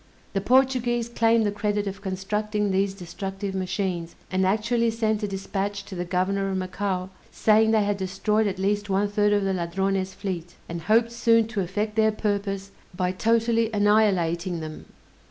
The Portuguese claim the credit of constructing these destructive machines, and actually sent a dispatch to the Governor of Macao, saying they had destroyed at least one third of the Ladrones' fleet, and hoped soon to effect their purpose by totally annihilating them!